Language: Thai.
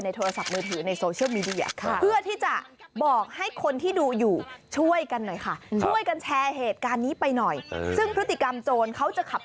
ในโทรศัพท์เนื้อถือในโซเชียลูกองครรภ์